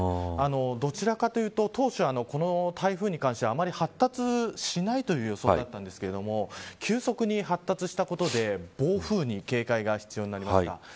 どちらかというと当初この台風に関してはあまり発達しないという予想だったんですけど急速に発達したことで暴風に警戒が必要になりました。